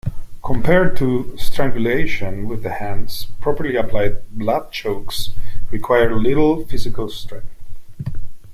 Compared to strangulation with the hands, properly applied blood chokes require little physical strength.